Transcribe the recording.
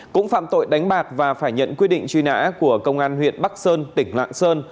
cũng phạm tội đánh bạc và phải nhận quyết định truy nã của công an huyện bắc sơn tỉnh lạng sơn